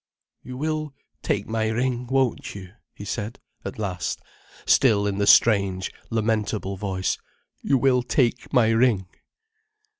"You will take my ring, won't you?" he said at last, still in the strange, lamentable voice. "You will take my ring."